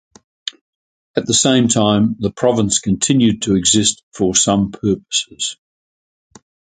At the same time, the province continued to exist for some purposes.